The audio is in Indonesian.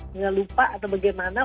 jangan lupa atau bagaimana